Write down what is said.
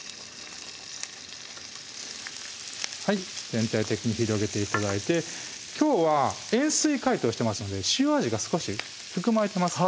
全体的に広げて頂いてきょうは塩水解凍してますので塩味が少し含まれてます